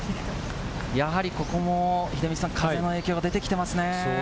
やはり、ここも秀道さん、風の影響が出てきてますね。